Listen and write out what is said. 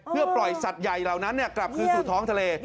เพื่อปล่อยสัตว์ใหญ่เหล่านั้นกลับคืนสู่ท้องทะเล